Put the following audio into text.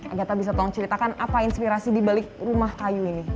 agatha bisa tolong ceritakan apa inspirasi di balik rumah kayu ini